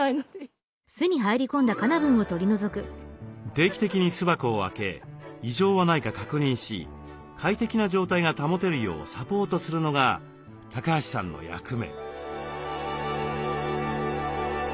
定期的に巣箱を開け異常はないか確認し快適な状態が保てるようサポートするのが橋さんの役目。